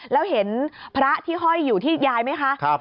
แล้วเห็นพระที่ห้อยอยู่ที่ยายไหมคะ